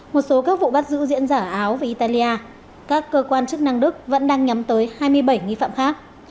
một số các vụ bắt giữ diễn ra ở áo và italia các cơ quan chức năng đức vẫn đang nhắm tới hai mươi bảy nghi phạm khác